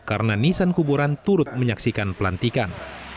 karena nisan kuburan turut menyaksikan pelantikan